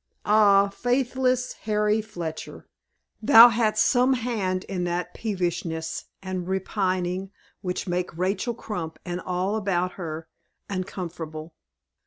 Ah, faithless Harry Fletcher! thou hadst some hand in that peevishness and repining which make Rachel Crump, and all about her, uncomfortable.